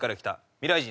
未来人？